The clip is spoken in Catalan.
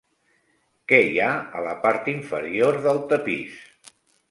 Què hi ha a la part inferior del Tapís?